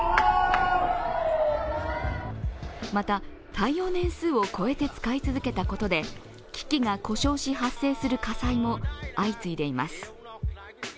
また、耐用年数を超えて使い続けたことで機器が故障し発生する火災も相次いでいます。